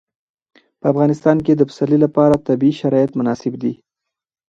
په افغانستان کې د پسرلی لپاره طبیعي شرایط مناسب دي.